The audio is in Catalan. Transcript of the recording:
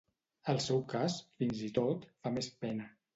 El seu cas, fins i tot, fa més pena.